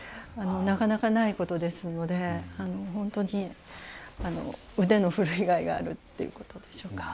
なかなかないことですので本当に腕の振るいがいがあるということでしょうか。